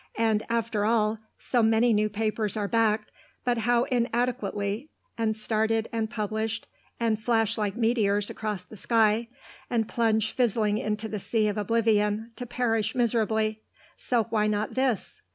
And, after all, so many new papers are backed, but how inadequately, and started, and published, and flash like meteors across the sky, and plunge fizzling into the sea of oblivion to perish miserably so why not this?